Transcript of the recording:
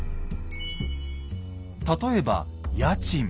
例えば家賃。